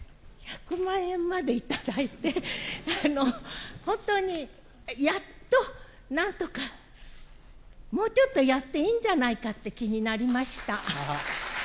１００万円まで頂いて、本当にやっと、なんとか、もうちょっとやっていいんじゃないかって気になりました。